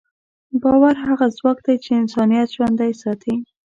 باور هغه ځواک دی چې انسانیت ژوندی ساتي.